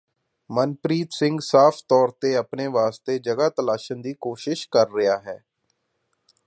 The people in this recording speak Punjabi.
ਮਨਪ੍ਰੀਤ ਸਿੰਘ ਸਾਫ਼ ਤੌਰ ਤੇ ਅਪਣੇ ਵਾਸਤੇ ਜਗ੍ਹਾਂ ਤਲਾਸ਼ਣ ਦੀ ਕੋਸ਼ਿਸ਼ ਕਰ ਰਿਹਾ ਹੈ